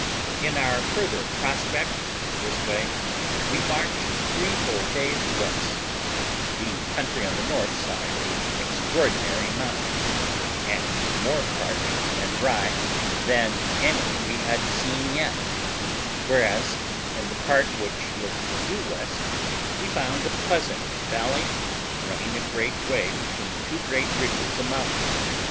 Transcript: In our further prospect this way, we marched three days full west, the country on the north side being extraordinary mountainous, and more parched and dry than any we had seen yet; whereas, in the part which looks due west, we found a pleasant valley running a great way between two great ridges of mountains.